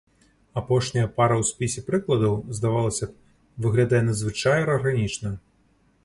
Апошняя пара ў спісе прыкладаў, здавалася б, выглядае надзвычай арганічна.